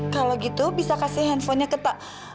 kalau gitu bisa kasih handphonenya ke tak